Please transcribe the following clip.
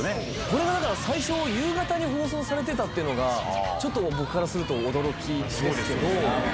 これが最初夕方に放送されてたのが僕からすると驚きですけど。